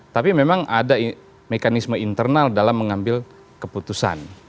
tapi memang ada mekanisme internal dalam mengambil keputusan